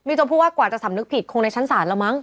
จนพูดว่ากว่าจะสำนึกผิดคงในชั้นศาลแล้วมั้ง